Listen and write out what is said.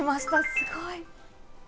すごい！